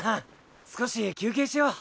少し休憩しよう。